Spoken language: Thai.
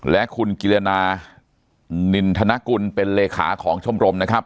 และคุณกิรินานินทนกุลเป็นเลขาของชมรมนะครับ